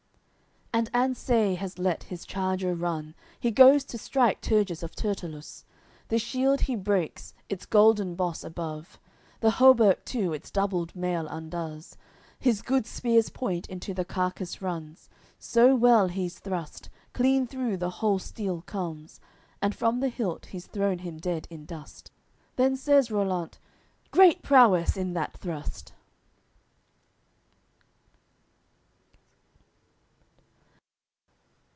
XCIX And Anseis has let his charger run; He goes to strike Turgis of Turtelus, The shield he breaks, its golden boss above, The hauberk too, its doubled mail undoes, His good spear's point into the carcass runs, So well he's thrust, clean through the whole steel comes, And from the hilt he's thrown him dead in dust. Then says Rollant: "Great prowess in that thrust."